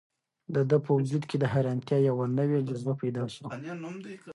د ده په وجود کې د حیرانتیا یوه نوې جذبه پیدا شوه.